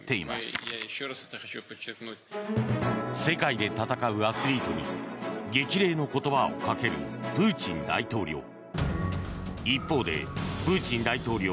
世界で戦うアスリートに激励の言葉をかけるプーチン大統領。